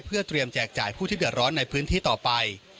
เพื่อเตรียมแจกจ่ายผู้ที่เดือดร้อนในพื้นที่ต่อไป